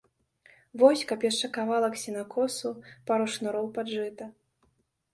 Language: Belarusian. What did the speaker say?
Вось, каб яшчэ кавалак сенакосу, пару шнуроў пад жыта.